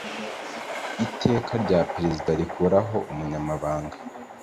Iteka rya Perezida rikuraho Umunyamabanga .